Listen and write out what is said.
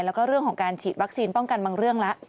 แล้วก็เรื่องของการฉีดวัคซีนป้องกันบางเรื่องแล้ว